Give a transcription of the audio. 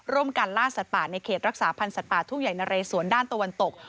ร่วมกันล่าสัตว์ป่าในเขตรักษาพันธ์สัตว์ป่าทุ่งใหญ่นะเรสวนด้านตะวันตก